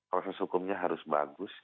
proses hukumnya harus bagus